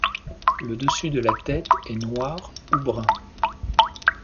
Le dessus de la tête est noir ou brun.